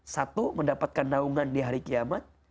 satu mendapatkan daungan dari allah